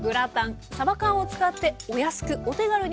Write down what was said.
さば缶を使ってお安くお手軽に。